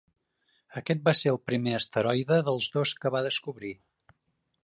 Aquest va ser el primer asteroide dels dos que va descobrir.